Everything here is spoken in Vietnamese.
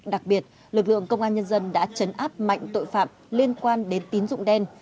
đặc biệt lực lượng công an nhân dân đã chấn áp mạnh tội phạm liên quan đến tín dụng đen